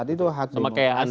itu hak dimonasi betul